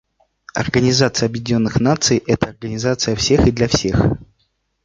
Организация Объединенных Наций — это организация всех и для всех.